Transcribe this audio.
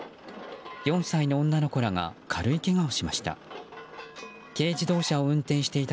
４歳の女の子らが軽いけがをしました。